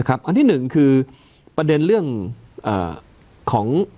อันที่๑คือประเด็นเรื่องของ